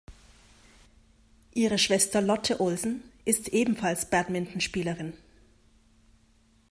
Ihre Schwester Lotte Olsen ist ebenfalls Badmintonspielerin.